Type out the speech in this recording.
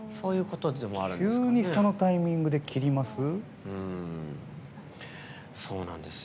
急に、そのタイミングで切ります？